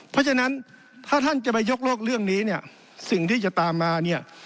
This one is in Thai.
เพราะฉะนั้นถ้าท่านจะไปยกโลกเรื่องนี้สิ่งที่จะตามมา